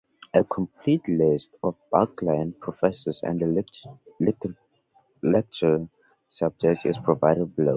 A complete list of Buckland Professors and their lecture subjects is provided below.